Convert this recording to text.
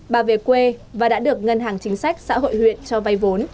bà về quê và đã được ngân hàng chính sách xã hội huyện cho vay vốn